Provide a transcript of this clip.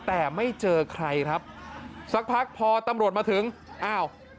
แต่ไม่เจอใครครับสักพักพอตำรวจมาถึงอ้าว